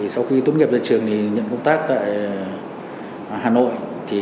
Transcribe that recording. sau khi tốt nghiệp ra trường thì nhận công tác tại hà nội